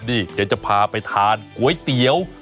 เดี๋ยวจะพาไปทานก๋วยเตี๋ยว